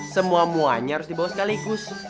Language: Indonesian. semua muanya harus dibawa sekaligus